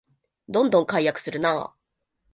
どんどん改悪するなあ